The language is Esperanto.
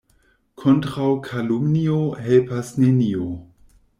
Kontraŭ kalumnio helpas nenio.